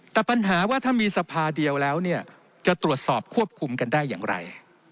แต่ปัญหาว่าถ้ามีสภาเดียวแล้วเนี่ยจะตรวจสอบควบคุมกันได้อย่างไร